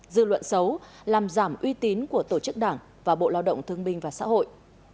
dư luận xấu làm giảm uy tín của tổ chức đảng và bộ lao động thương binh và xã hội